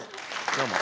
どうも。